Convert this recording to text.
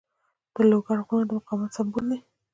د لوګر غرونه د مقاومت سمبول دي.